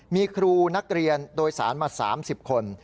มีครูนักเรียนโดยสารมา๓๐คน